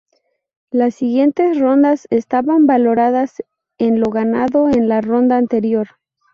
Las siguientes rondas estaban valoradas en lo ganado en la ronda anterior.